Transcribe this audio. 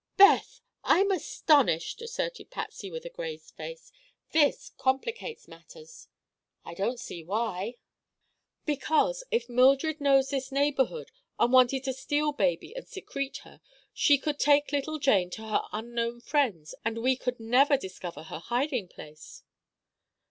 "Beth, I'm astonished!" asserted Patsy, with a grave face. "This complicates matters." "I don't see why." "Because, if Mildred knows this neighborhood, and wanted to steal baby and secrete her, she could take little Jane to her unknown friends and we could never discover her hiding place."